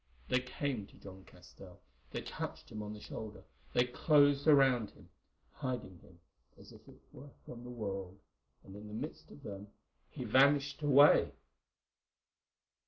They came to John Castell, they touched him on the shoulder, they closed around him, hiding him as it were from the world, and in the midst of them he vanished away.